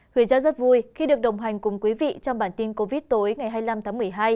huy giáp rất vui khi được đồng hành cùng quý vị trong bản tin covid tối ngày hai mươi năm tháng một mươi hai